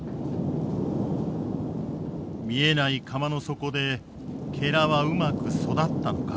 見えない釜の底ではうまく育ったのか。